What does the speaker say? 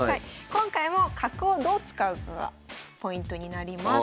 今回も角をどう使うかがポイントになります。